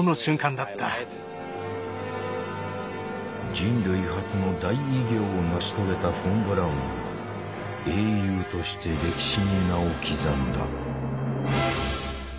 人類初の大偉業を成し遂げたフォン・ブラウンは英雄として歴史に名を刻んだ。